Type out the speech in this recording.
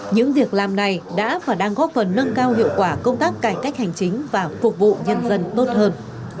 những việc làm này đã và đang góp phần nâng cao hiệu quả công tác cải cách hành chính và phục vụ nhân dân tốt hơn